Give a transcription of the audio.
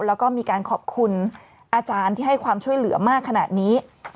แล้วก็มีการขอบคุณอาจารย์ที่ให้ความช่วยเหลือมากขนาดนี้